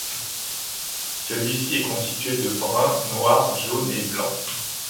Celui-ci est constitué de brun, noir, jaune et blanc.